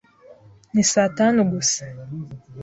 Ni saa tanu gusa.